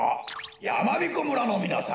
やまびこ村のみなさん